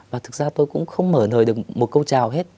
và thực ra tôi cũng không mở nơi được một câu chào hết